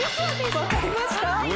わかりました？